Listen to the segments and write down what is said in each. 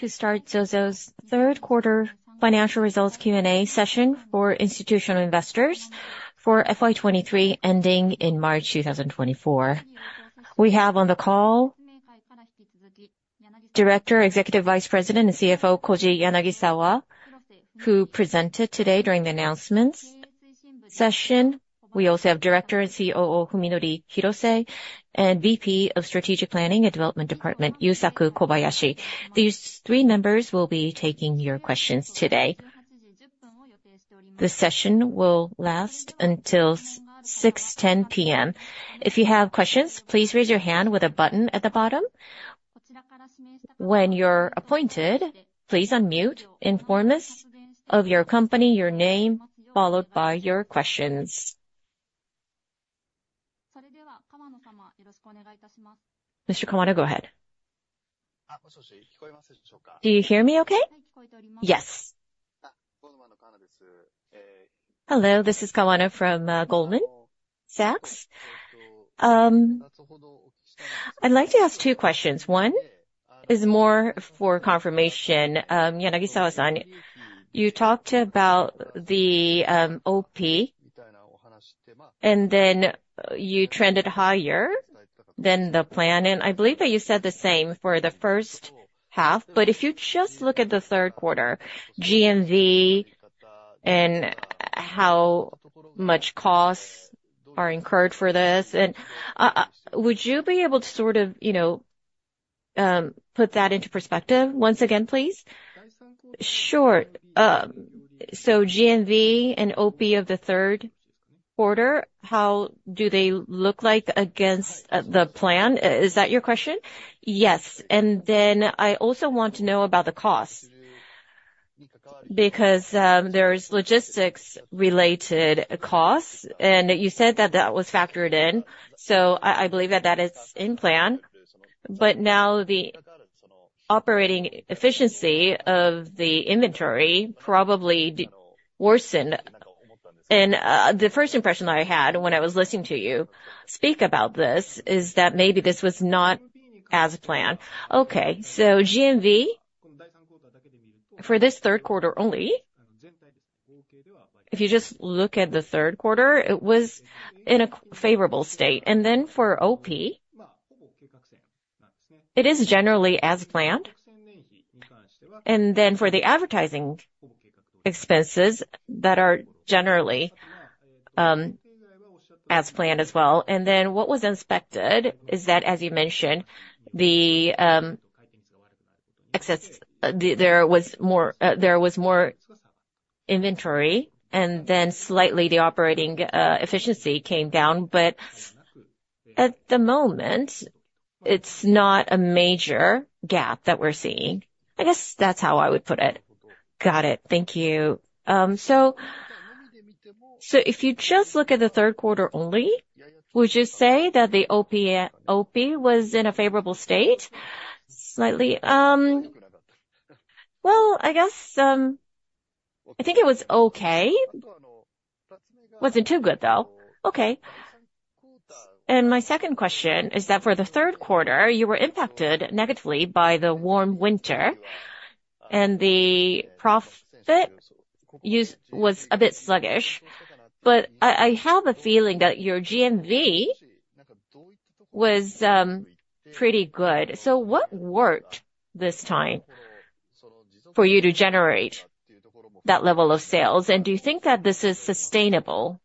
To start ZOZO's third quarter financial results Q&A session for institutional investors for FY 2023, ending in March 2024. We have on the call, Director, Executive Vice President, and CFO, Koji Yanagisawa, who presented today during the announcements session. We also have Director and COO, Fuminori Hirose, and VP of Strategic Planning and Development Department, Yusuke Kobayashi. These three members will be taking your questions today. The session will last until 6:10 P.M. If you have questions, please raise your hand with the button at the bottom. When you're appointed, please unmute, inform us of your company, your name, followed by your questions. Mr. Kawan0, go ahead. Do you hear me okay? Yes. Hello, this is Kawano from Goldman Sachs. I'd like to ask two questions. One is more for confirmation. Yanagisawa-san, you talked about the OP, and then you trended higher than the plan, and I believe that you said the same for the first half. But if you just look at the third quarter, GMV and how much costs are incurred for this, and would you be able to sort of, you know, put that into perspective once again, please? Sure. So GMV and OP of the third quarter, how do they look like against the plan? Is that your question? Yes, and then I also want to know about the cost. Because, there's logistics related costs, and you said that that was factored in, so I, I believe that, that is in plan. But now, the operating efficiency of the inventory probably worsened. The first impression I had when I was listening to you speak about this is that maybe this was not as planned. Okay. So GMV, for this third quarter only, if you just look at the third quarter, it was in a favorable state. And then for OP, it is generally as planned. And then for the advertising expenses that are generally as planned as well. And then, what was inspected is that, as you mentioned, the excess—the, there was more, there was more inventory, and then slightly the operating efficiency came down. But at the moment, it's not a major gap that we're seeing. I guess that's how I would put it. Got it. Thank you. So, so if you just look at the third quarter only, would you say that the OP, OP was in a favorable state? Slightly. Well, I guess I think it was okay. Wasn't too good, though. Okay. My second question is that for the third quarter, you were impacted negatively by the warm winter, and the profits were a bit sluggish. But I have a feeling that your GMV was pretty good. So what worked this time for you to generate that level of sales? And do you think that this is sustainable?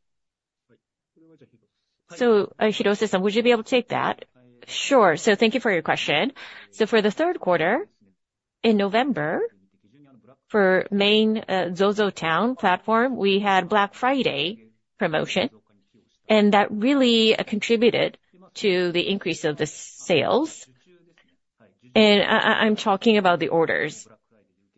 So, Hirose-san, would you be able to take that? Sure. Thank you for your question. For the third quarter, in November, for main ZOZOTOWN platform, we had Black Friday promotion, and that really contributed to the increase of the sales. And I'm talking about the orders.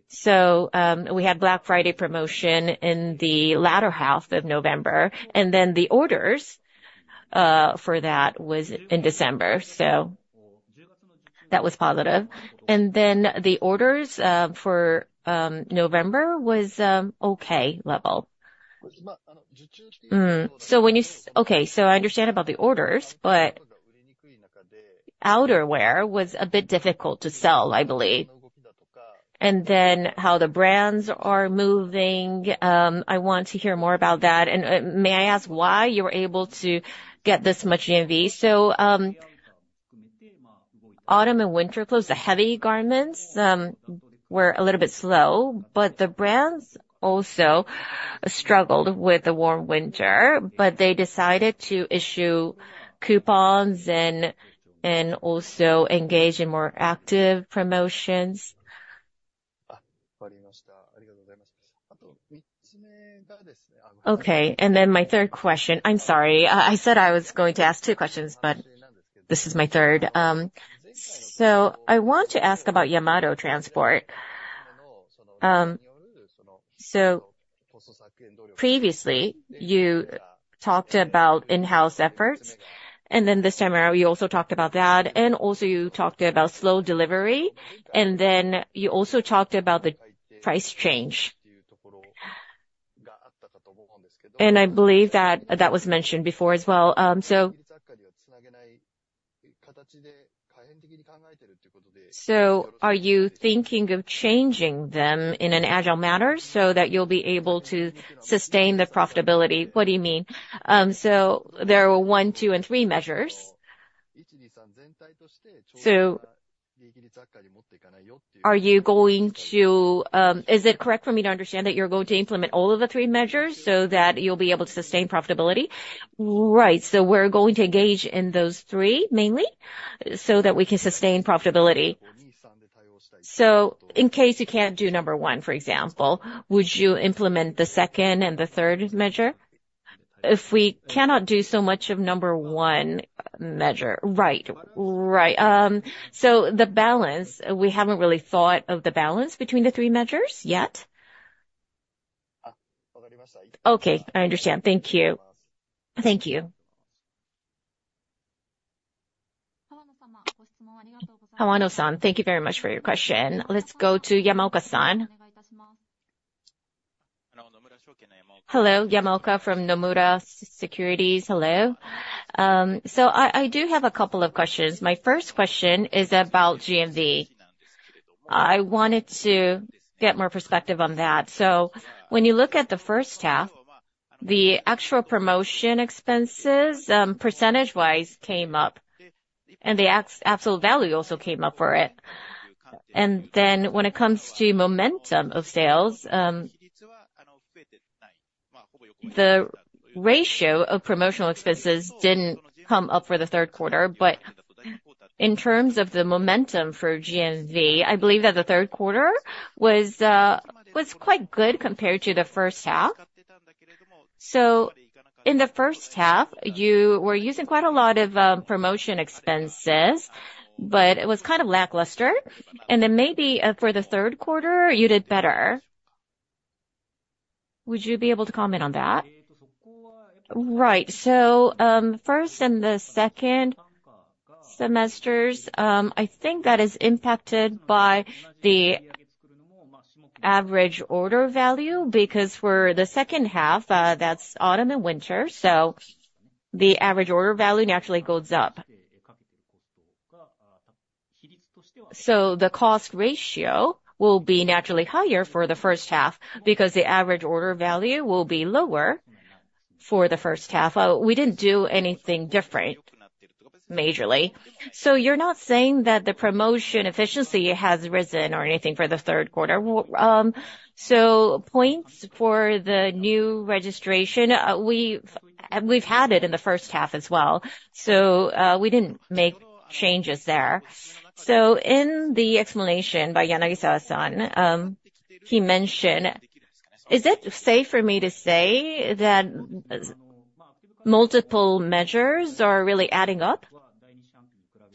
So, we had Black Friday promotion in the latter half of November, and then the orders for that was in December, so that was positive. And then, the orders for November was okay level. So when you... Okay, so I understand about the orders, but outerwear was a bit difficult to sell, I believe. And then, how the brands are moving, I want to hear more about that. And, may I ask why you were able to get this much GMV? So, autumn and winter clothes, the heavy garments, were a little bit slow, but the brands also struggled with the warm winter. But they decided to issue coupons and also engage in more active promotions. Okay, and then my third question... I'm sorry, I said I was going to ask two questions, but this is my third. So I want to ask about Yamato Transport. So previously, you talked about in-house efforts, and then this time around, you also talked about that, and also you talked about slow delivery, and then you also talked about the price change. I believe that that was mentioned before as well. So are you thinking of changing them in an agile manner so that you'll be able to sustain the profitability? What do you mean? So there are 1, 2, and 3 measures. So are you going to, is it correct for me to understand that you're going to implement all of the 3 measures so that you'll be able to sustain profitability? Right. So we're going to engage in those 3, mainly, so that we can sustain profitability. So in case you can't do number one, for example, would you implement the second and the third measure? If we cannot do so much of number one measure. Right. Right. So the balance, we haven't really thought of the balance between the three measures yet? Okay, I understand. Thank you. Thank you. Well, thank you very much for your question. Let's go to Yamaoka-san. Hello, Yamaoka from Nomura Securities. Hello. So I, I do have a couple of questions. My first question is about GMV. I wanted to get more perspective on that. So when you look at the first half, the actual promotion expenses, percentage-wise, came up, and the absolute value also came up for it. And then when it comes to momentum of sales, the ratio of promotional expenses didn't come up for the third quarter. But in terms of the momentum for GMV, I believe that the third quarter was quite good compared to the first half. So in the first half, you were using quite a lot of promotion expenses, but it was kind of lackluster, and then maybe for the third quarter, you did better. Would you be able to comment on that? Right. So, first and the second semesters, I think that is impacted by the average order value, because for the second half, that's autumn and winter, so the average order value naturally goes up. So the cost ratio will be naturally higher for the first half, because the average order value will be lower for the first half. We didn't do anything different, majorly. So you're not saying that the promotion efficiency has risen or anything for the third quarter? So points for the new registration, we've had it in the first half as well, so we didn't make changes there. So in the explanation by Yanagisawa-san, he mentioned... Is it safe for me to say that multiple measures are really adding up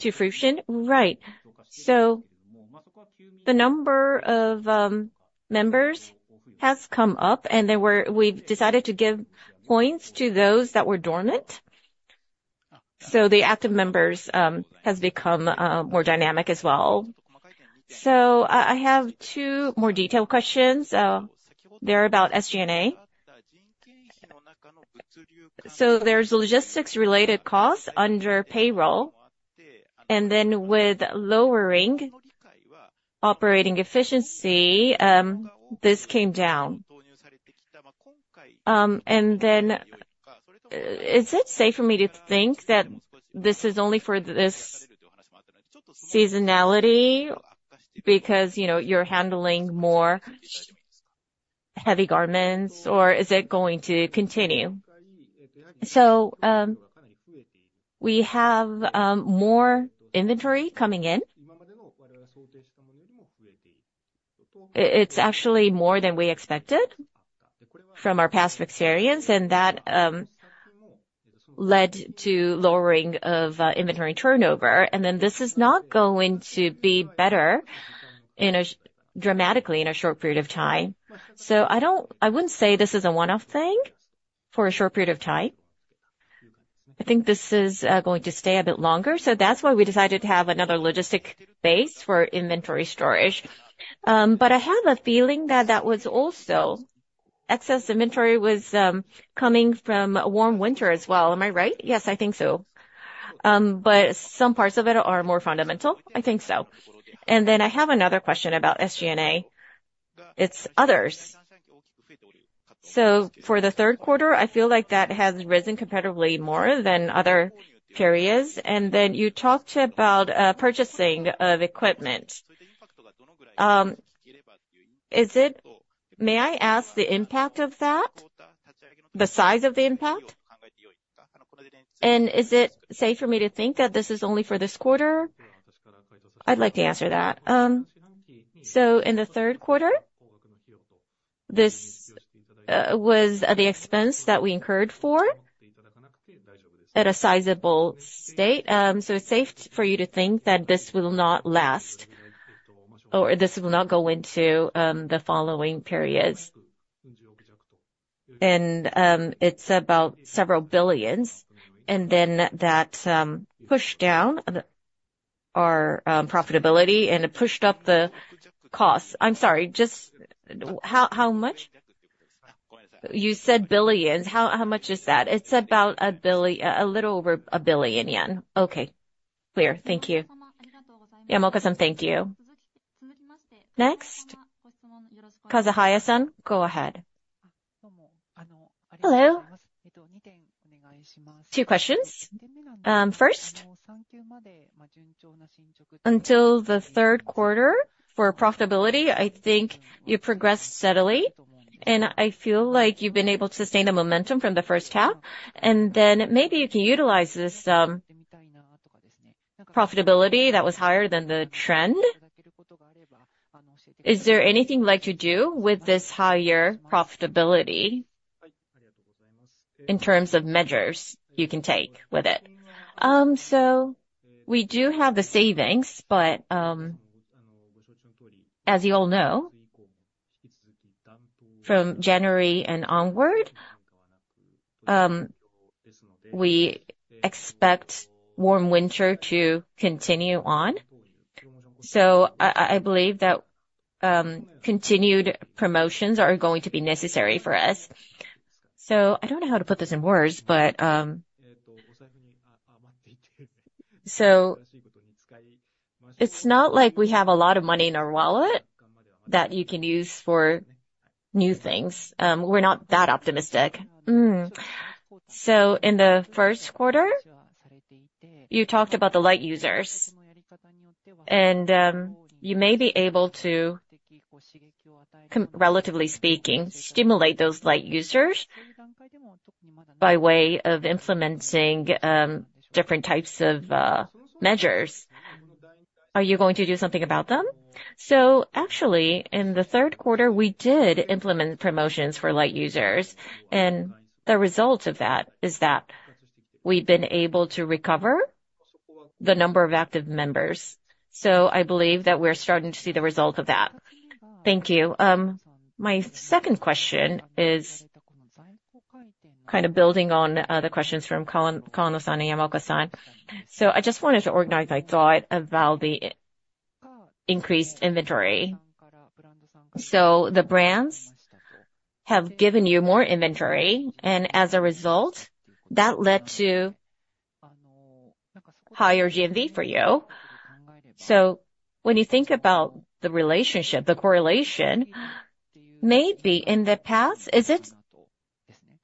to fruition? Right. So the number of members has come up, and then we've decided to give points to those that were dormant. So the active members has become more dynamic as well. So I have two more detailed questions. They're about SG&A. So there's logistics-related costs under payroll, and then with lowering operating efficiency, this came down. And then, is it safe for me to think that this is only for this seasonality? Because, you know, you're handling more heavy garments, or is it going to continue? So, we have more inventory coming in. It's actually more than we expected from our past experience, and that led to lowering of inventory turnover. And then this is not going to be better dramatically in a short period of time. So I wouldn't say this is a one-off thing for a short period of time. I think this is going to stay a bit longer. So that's why we decided to have another logistic base for inventory storage. But I have a feeling that that was also excess inventory was coming from a warm winter as well. Am I right? Yes, I think so. But some parts of it are more fundamental? I think so. And then I have another question about SG&A. It's others. So for the third quarter, I feel like that has risen comparatively more than other periods. And then you talked about purchasing of equipment. Is it? May I ask the impact of that, the size of the impact? And is it safe for me to think that this is only for this quarter? I'd like to answer that. So in the third quarter, this was the expense that we incurred for a sizable site. So it's safe for you to think that this will not last, or this will not go into the following periods. And it's about several billion JPY, and then that pushed down our profitability, and it pushed up the costs. I'm sorry, just how, how much? Go ahead. You said billions. How, how much is that? It's about 1 billion JPY, a little over 1 billion yen. Okay, clear. Thank you. Yamaoka-san, thank you. Next, Kazahaya-san, go ahead. Hello. Two questions. First, until the third quarter for profitability, I think you progressed steadily, and I feel like you've been able to sustain the momentum from the first half, and then maybe you can utilize this profitability that was higher than the trend. Is there anything you'd like to do with this higher profitability? In terms of measures you can take with it? So we do have the savings, but as you all know, from January and onward, we expect warm winter to continue on. So I believe that continued promotions are going to be necessary for us. So I don't know how to put this in words, but so it's not like we have a lot of money in our wallet that you can use for new things. We're not that optimistic. So in the first quarter, you talked about the light users, and you may be able to relatively speaking, stimulate those light users by way of implementing different types of measures. Are you going to do something about them? So actually, in the third quarter, we did implement promotions for light users, and the result of that is that we've been able to recover the number of active members. So I believe that we're starting to see the result of that. Thank you. My second question is kind of building on the questions from Kono-san and Yamaoka-san. So I just wanted to organize my thought about the increased inventory. So the brands have given you more inventory, and as a result, that led to higher GMV for you. So when you think about the relationship, the correlation, maybe in the past, is it?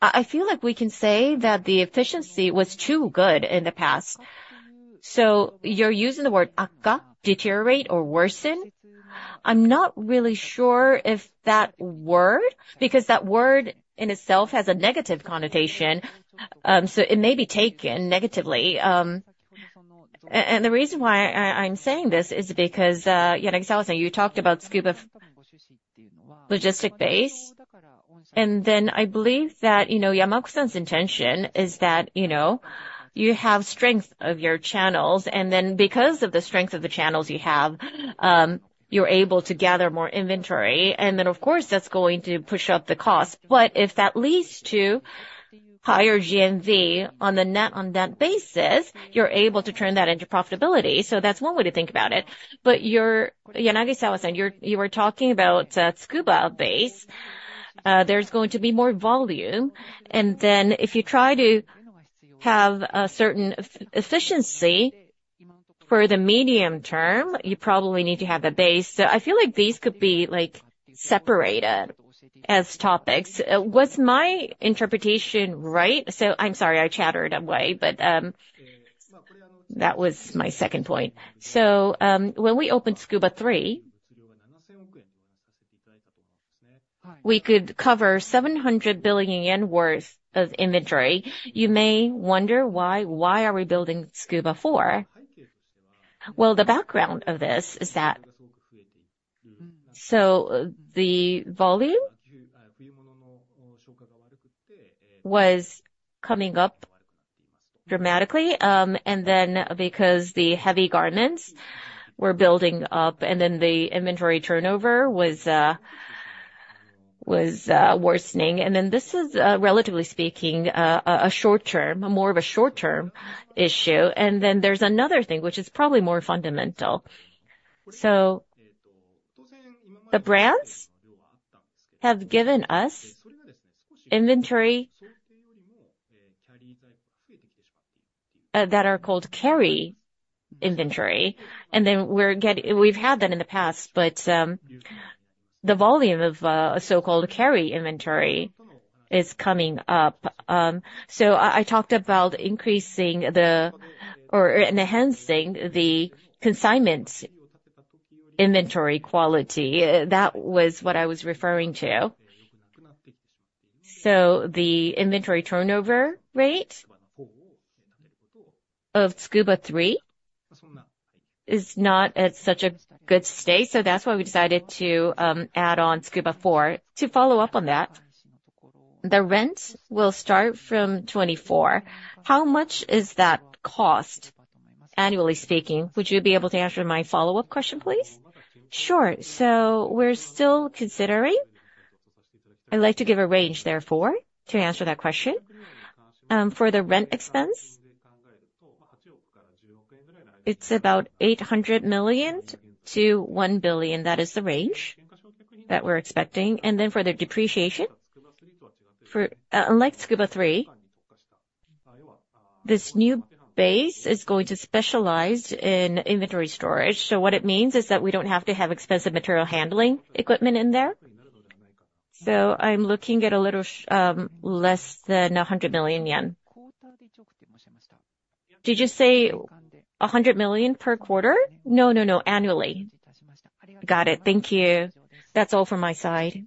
I feel like we can say that the efficiency was too good in the past. So you're using the word aka, deteriorate or worsen. I'm not really sure if that word, because that word in itself has a negative connotation, so it may be taken negatively. And the reason why I'm saying this is because, Yanagisawa-san, you talked about Tsukuba logistic base, and then I believe that, you know, Yamaoka-san's intention is that, you know, you have strength of your channels, and then because of the strength of the channels you have, you're able to gather more inventory, and then, of course, that's going to push up the cost. But if that leads to higher GMV on the net, on that basis, you're able to turn that into profitability. So that's one way to think about it. But you're Yanagisawa-san, you were talking about Tsukuba base. There's going to be more volume, and then if you try to have a certain efficiency for the medium term, you probably need to have a base. So I feel like these could be, like, separated as topics. Was my interpretation right? So I'm sorry, I chattered away, but that was my second point. So when we opened Tsukuba 3, we could cover 700 billion yen worth of inventory. You may wonder why, why are we building Tsukuba 4? Well, the background of this is that... So the volume was coming up dramatically, and then because the heavy garments were building up, and then the inventory turnover was worsening. And then this is, relatively speaking, a short-term, more of a short-term issue. And then there's another thing, which is probably more fundamental. So the brands have given us inventory that are called carry inventory, and then we've had that in the past, but the volume of so-called carry inventory is coming up. So I talked about increasing the or enhancing the consignment inventory quality. That was what I was referring to. So the inventory turnover rate of Tsukuba 3 is not at such a good state, so that's why we decided to add on Tsukuba 4. To follow up on that, the rent will start from 2024. How much is that cost, annually speaking? Would you be able to answer my follow-up question, please? Sure. I'd like to give a range therefore, to answer that question. For the rent expense, it's about 800 million-1 billion. That is the range that we're expecting. And then for the depreciation, unlike Tsukuba 3, this new base is going to specialize in inventory storage. So what it means is that we don't have to have expensive material handling equipment in there. So I'm looking at a little, less than 100 million yen. Did you say 100 million per quarter? No, no, no, annually. Got it. Thank you. That's all from my side.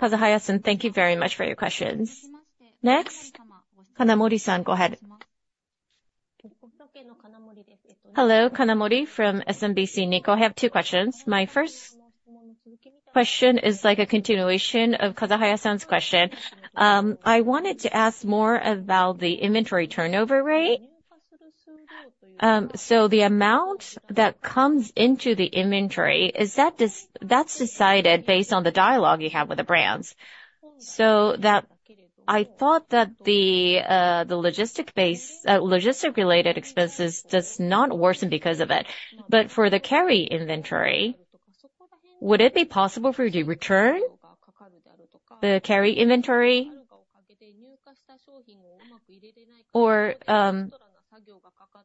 Kazahaya-san, thank you very much for your questions. Next, Kanamori-san, go ahead. Hello, Kanamori from SMBC Nikko. I have two questions. My first question is like a continuation of Kazahaya-san's question. I wanted to ask more about the inventory turnover rate. So the amount that comes into the inventory, is that? That's decided based on the dialogue you have with the brands, so that I thought that the logistic base, logistic-related expenses does not worsen because of it. But for the carry inventory, would it be possible for you to return the carry inventory? Or,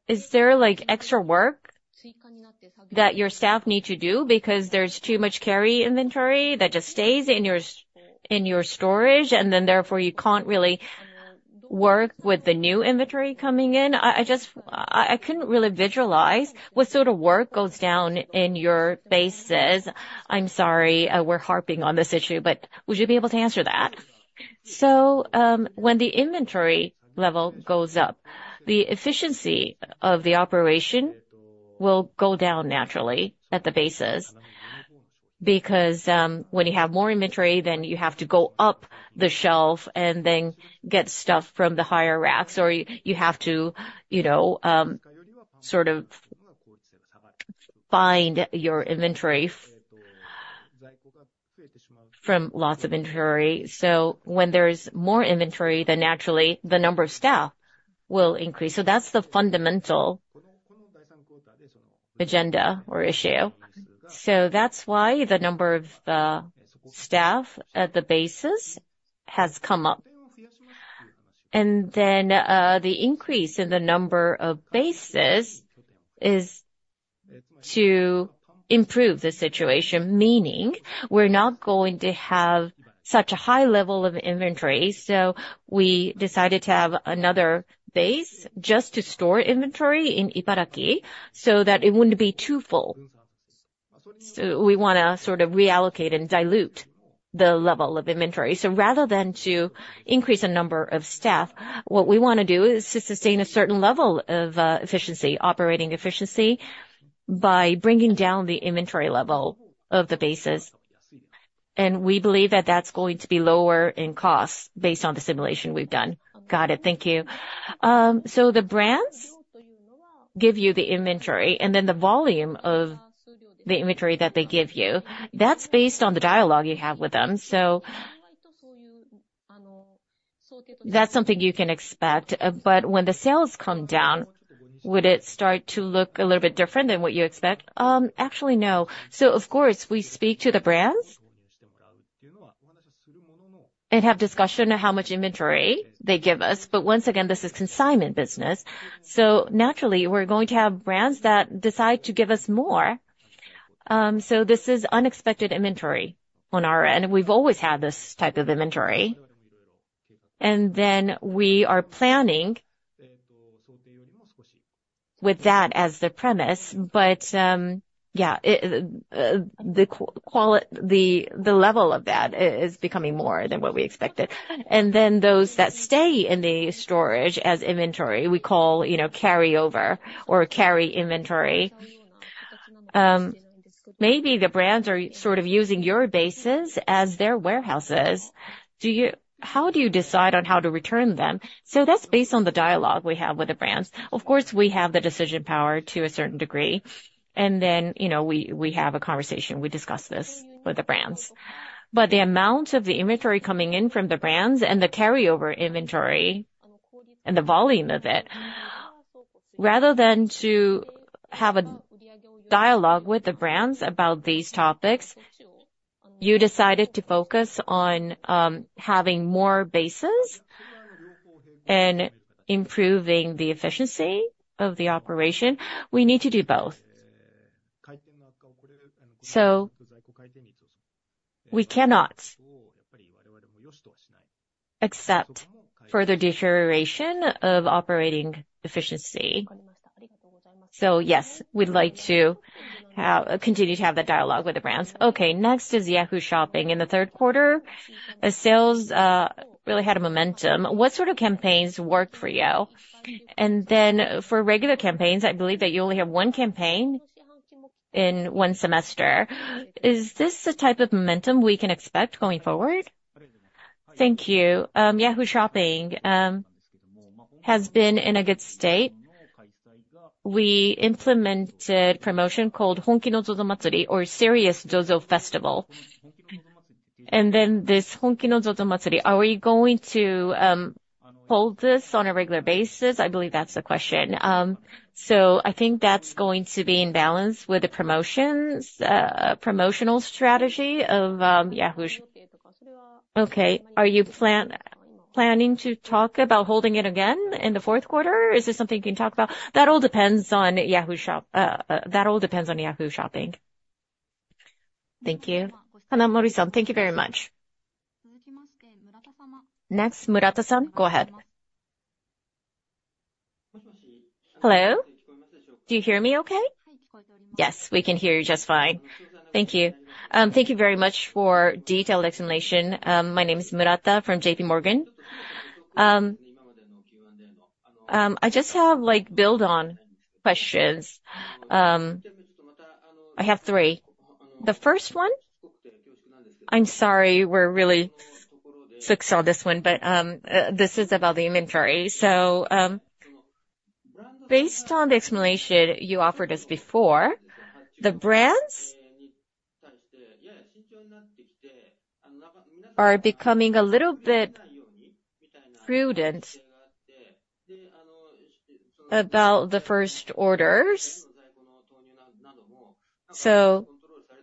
is there, like, extra work that your staff need to do because there's too much carry inventory that just stays in your storage, and then therefore you can't really work with the new inventory coming in? I just couldn't really visualize what sort of work goes down in your bases. I'm sorry, we're harping on this issue, but would you be able to answer that? So, when the inventory level goes up, the efficiency of the operation will go down naturally at the bases. Because, when you have more inventory, then you have to go up the shelf and then get stuff from the higher racks, or you have to, you know, sort of find your inventory from lots of inventory. So when there is more inventory, then naturally the number of staff will increase. So that's the fundamental agenda or issue. So that's why the number of staff at the bases has come up. And then, the increase in the number of bases is to improve the situation, meaning we're not going to have such a high level of inventory. So we decided to have another base just to store inventory in Ibaraki, so that it wouldn't be too full. So we wanna sort of reallocate and dilute the level of inventory. So rather than to increase the number of staff, what we want to do is to sustain a certain level of efficiency, operating efficiency, by bringing down the inventory level of the bases. And we believe that that's going to be lower in cost, based on the simulation we've done. Got it. Thank you. So the brands give you the inventory, and then the volume of the inventory that they give you, that's based on the dialogue you have with them. So... that's something you can expect, but when the sales come down, would it start to look a little bit different than what you expect? Actually, no. So of course, we speak to the brands, and have discussion on how much inventory they give us. But once again, this is consignment business, so naturally, we're going to have brands that decide to give us more. So this is unexpected inventory on our end, we've always had this type of inventory. And then we are planning with that as the premise. But yeah, the level of that is becoming more than what we expected. And then those that stay in the storage as inventory, we call, you know, carryover or carry inventory. Maybe the brands are sort of using your bases as their warehouses. How do you decide on how to return them? So that's based on the dialogue we have with the brands. Of course, we have the decision power to a certain degree, and then, you know, we, we have a conversation, we discuss this with the brands. But the amount of the inventory coming in from the brands and the carryover inventory and the volume of it, rather than to have a dialogue with the brands about these topics, you decided to focus on having more bases and improving the efficiency of the operation? We need to do both. So we cannot accept further deterioration of operating efficiency. So yes, we'd like to have continue to have that dialogue with the brands. Okay, next is Yahoo Shopping. In the third quarter, the sales really had a momentum. What sort of campaigns work for you? And then for regular campaigns, I believe that you only have one campaign in one semester. Is this the type of momentum we can expect going forward? Thank you. Yahoo Shopping has been in a good state. We implemented promotion called Honki no ZOZOMATSURI, or Serious ZOZO Festival. And then this Honki no ZOZOMATSURI, are we going to hold this on a regular basis? I believe that's the question. So I think that's going to be in balance with the promotions, promotional strategy of Yahoo. Okay. Are you planning to talk about holding it again in the fourth quarter? Is this something you can talk about? That all depends on Yahoo Shop, that all depends on Yahoo Shopping. Thank you. Kanamori-san, thank you very much. Next, Murata-san, go ahead. Hello, do you hear me okay? Yes, we can hear you just fine. Thank you. Thank you very much for detailed explanation. My name is Murata from JP Morgan. I just have, like, a couple of questions. I have three. The first one, I'm sorry, we're really success on this one, but this is about the inventory. So, based on the explanation you offered us before, the brands are becoming a little bit prudent about the first orders. So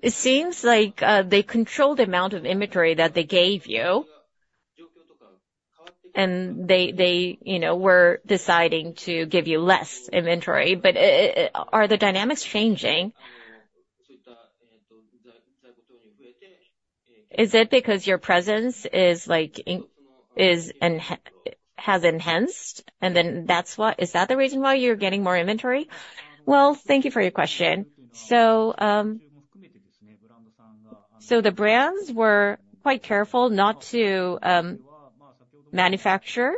it seems like they control the amount of inventory that they gave you, and they, you know, were deciding to give you less inventory. But are the dynamics changing? Is it because your presence has enhanced, and then that's why? Is that the reason why you're getting more inventory? Well, thank you for your question. So, the brands were quite careful not to manufacture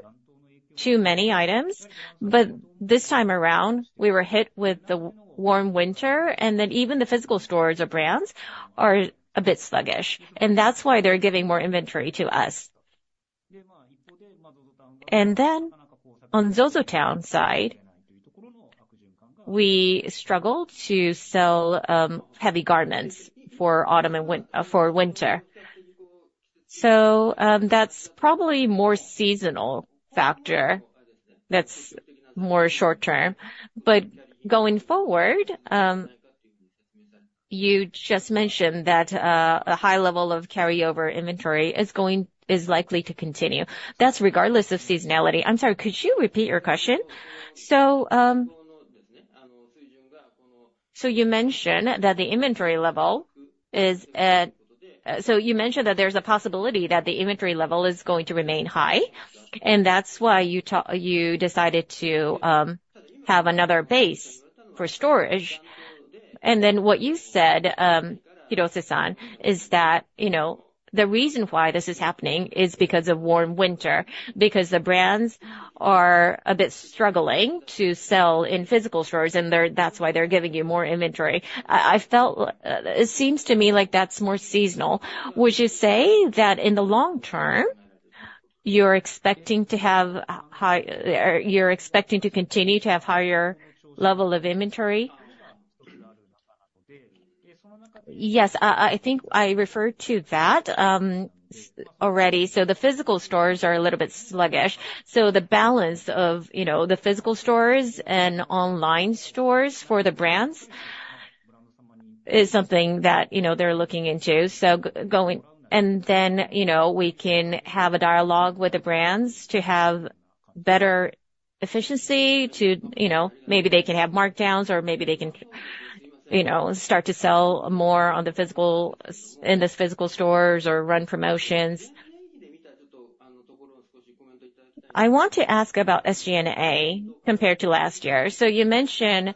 too many items. But this time around, we were hit with the warm winter, and then even the physical stores or brands are a bit sluggish, and that's why they're giving more inventory to us. And then, on ZOZOTOWN side, we struggled to sell heavy garments for autumn and for winter. So, that's probably more seasonal factor that's more short term. But going forward, you just mentioned that a high level of carryover inventory is going, is likely to continue. That's regardless of seasonality. I'm sorry, could you repeat your question? So, so you mentioned that the inventory level is at. So you mentioned that there's a possibility that the inventory level is going to remain high, and that's why you decided to have another base for storage. Then what you said, Hirose-san, is that, you know, the reason why this is happening is because of warm winter, because the brands are a bit struggling to sell in physical stores, and they're, that's why they're giving you more inventory. I felt it seems to me like that's more seasonal. Would you say that in the long term, you're expecting to have high, or you're expecting to continue to have higher level of inventory? Yes, I think I referred to that already. So the physical stores are a little bit sluggish, so the balance of, you know, the physical stores and online stores for the brands is something that, you know, they're looking into. So going... Then, you know, we can have a dialogue with the brands to have better efficiency to, you know, maybe they can have markdowns or maybe they can, you know, start to sell more on the physical in the physical stores or run promotions. I want to ask about SG&A compared to last year. You mentioned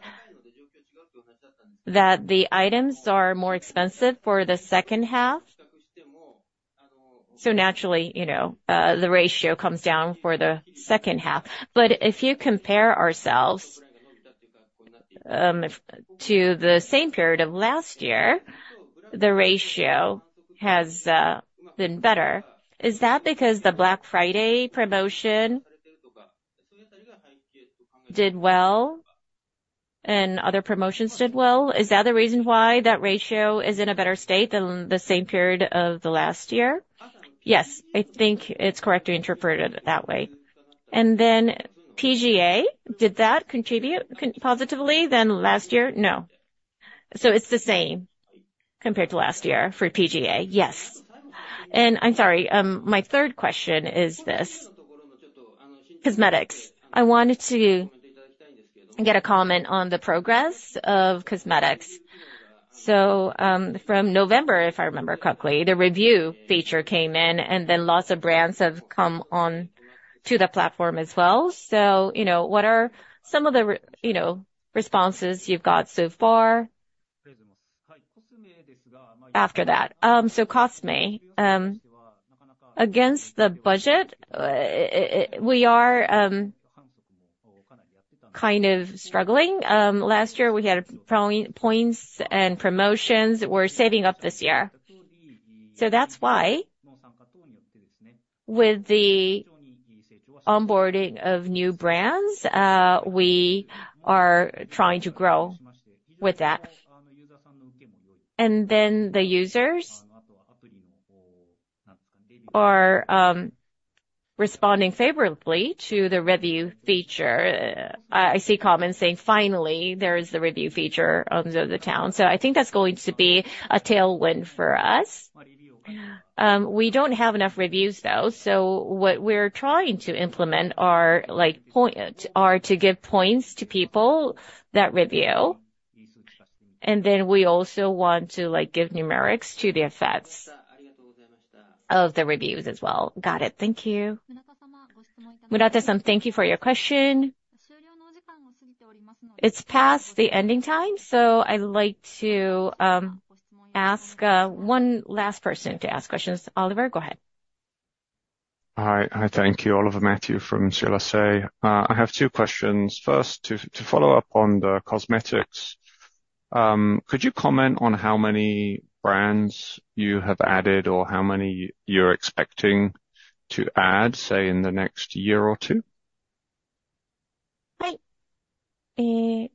that the items are more expensive for the second half. Naturally, you know, the ratio comes down for the second half. But if you compare ourselves to the same period of last year, the ratio has been better. Is that because the Black Friday promotion did well and other promotions did well? Is that the reason why that ratio is in a better state than the same period of the last year? Yes, I think it's correct to interpret it that way. And then PGA, did that contribute positively than last year? No. So it's the same compared to last year for PGA? Yes. And I'm sorry, my third question is this: cosmetics. I wanted to get a comment on the progress of cosmetics. So, from November, if I remember correctly, the review feature came in, and then lots of brands have come on to the platform as well. So, you know, what are some of the responses you've got so far after that? So ZOZOCOSME, against the budget, it, we are kind of struggling. Last year we had points and promotions that we're saving up this year. So that's why, with the onboarding of new brands, we are trying to grow with that. And then the users are responding favorably to the review feature. I see comments saying, "Finally, there is the review feature on the town." So I think that's going to be a tailwind for us. We don't have enough reviews, though. So what we're trying to implement are to give points to people that review. And then we also want to, like, give numerics to the effects of the reviews as well. Got it. Thank you. Murata-san, thank you for your question. It's past the ending time, so I'd like to ask one last person to ask questions. Oliver, go ahead. Hi. Hi. Thank you, Oliver Matthew from CLSA. I have two questions. First, to follow up on the cosmetics. Could you comment on how many brands you have added or how many you're expecting to add, say, in the next year or two? Hi. Okay.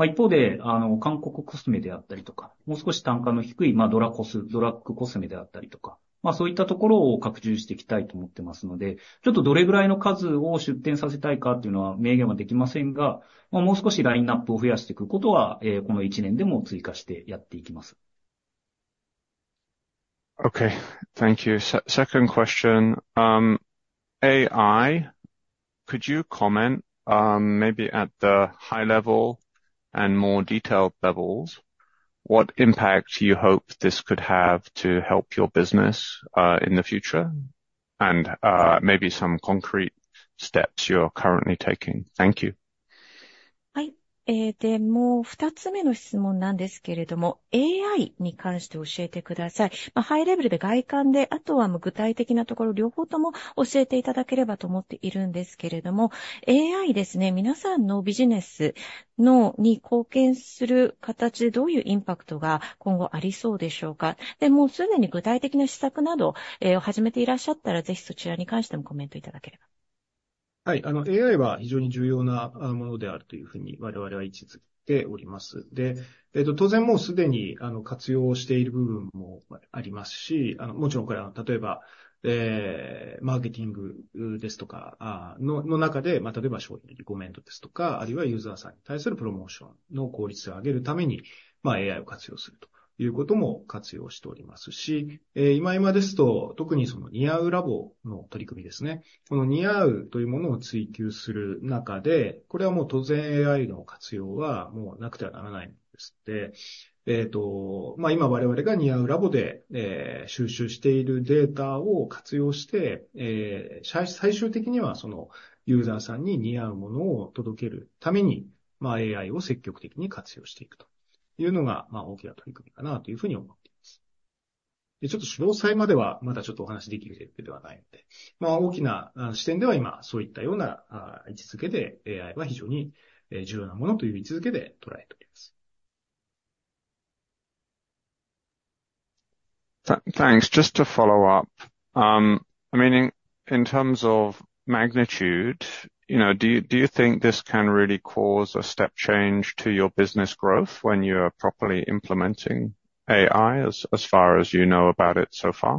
Thank you. Second question. AI, could you comment, maybe at the high level and more detailed levels, what impact you hope this could have to help your business, in the future? And, maybe some concrete steps you're currently taking. Thank you. Hi. Thanks. Just to follow up, I mean, in terms of magnitude, you know, do you think this can really cause a step change to your business growth when you are properly implementing AI as far as you know about it so far?